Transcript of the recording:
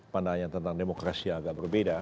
pandangan tentang demokrasi agak berbeda